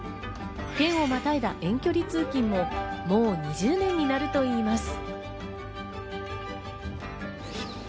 県をまたいだ遠距離通勤ももう２０年になるといいます。